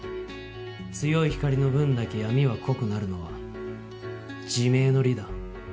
強い光の分だけ闇は濃くなるのは自明の理だ。